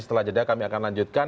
setelah jeda kami akan lanjutkan